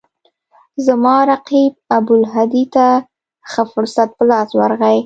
زما رقیب ابوالهدی ته ښه فرصت په لاس ورغی.